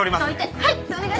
はい！